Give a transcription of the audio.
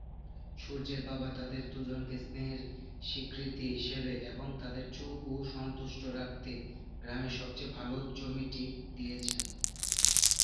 সূর্যের বাবা তাদের দুজনকে স্নেহের স্বীকৃতি হিসেবে এবং তাদের চুপ ও সন্তুষ্ট রাখতে গ্রামের সবচেয়ে ভালো জমিটি দিয়েছেন।